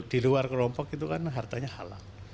di luar kelompok itu kan hartanya halal